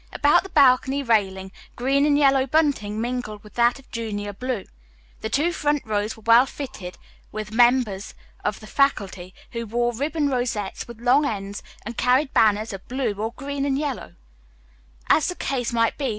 About the balcony railing green and yellow bunting mingled with that of junior blue. The two front rows were well filled with members of the faculty, who wore ribbon rosettes with long ends and carried banners of blue, or green and yellow, as the case might be.